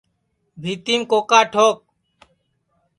بھِیتِیم کوکا ٹھوک